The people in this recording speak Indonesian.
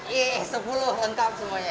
ih sepuluh lengkap semuanya